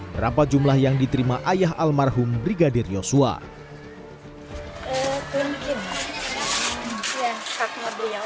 berapa jumlah yang diterima ayah almarhum brigadir yosua mungkin ya kakaknya beliau